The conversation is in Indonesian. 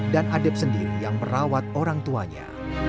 dan adeb sendiri yang merawat orang tuanya